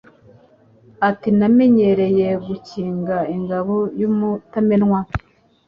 Ati: Namenyereye gukinga ingabo y'umutamenwa,